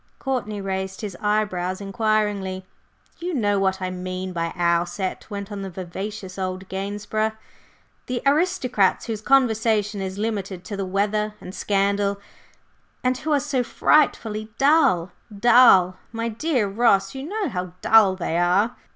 Courtney raised his eyebrows inquiringly. "You know what I mean by our set," went on the vivacious old "Gainsborough," "the aristocrats whose conversation is limited to the weather and scandal, and who are so frightfully dull! Dull! My dear Ross, you know how dull they are!"